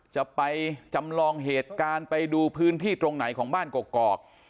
จะไปจำลองเหตุการณ์ไปดูพื้นที่ตรงไหนของบ้านกอก